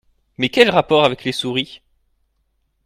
Mais quel rapport avec les souris?